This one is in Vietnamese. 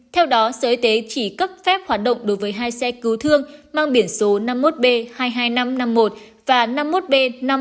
theo đó sở y tế chỉ cấp phép hoạt động đối với hai xe cứu thương mang biển số năm mươi một b hai mươi hai nghìn năm trăm năm mươi một và năm mươi một b năm mươi một nghìn một trăm bốn mươi tám